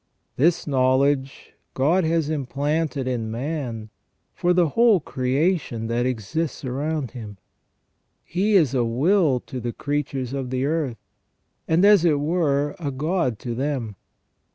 This knowledge God has implanted in man for the whole creation that exists around THE SECONDARY IMAGE OF GOD IN MAN. 57 him. He is a will to the creatures of the earth, and, as it were, a god to them.